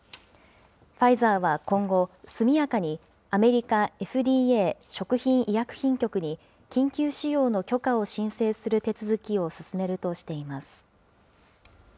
ファイザーは今後、速やかにアメリカＦＤＡ・食品医薬品局に、緊急使用の許可を申請する手続きを進めるとしています。